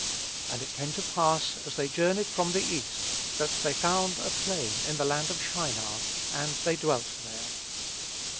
And it came to pass as they journeyed from the east, that they found a plain in the land of Shinar; and they dwelt there....